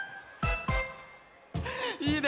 いいね